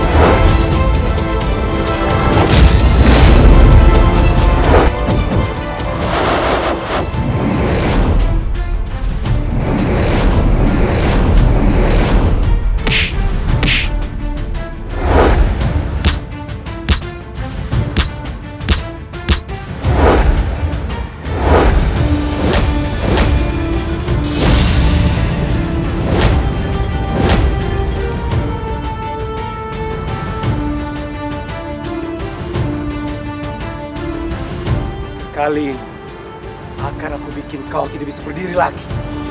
kali ini akan aku bikin kau tidak bisa berdiri lagi